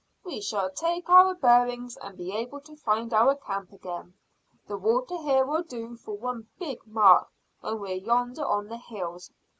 "We shall take our bearings, and be able to find our camp again. The water here will do for one big mark when we're yonder on the hills.